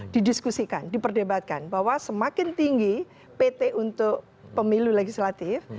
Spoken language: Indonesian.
didiskusikan diperdebatkan bahwa semakin tinggi pt untuk pemilu legislatif